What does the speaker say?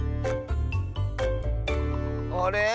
あれ？